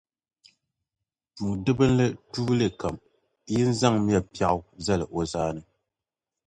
buŋdibbil’ tuuli kam, yin’ zaŋmiya piɛɣu zal’ o zaani.